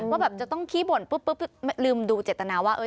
ว่าแบบจะต้องขี้บ่นปุ๊บลืมดูเจตนาว่า